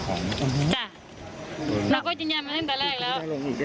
จ้ะเราก็จริงแย่มันตั้งแต่แรกแล้ว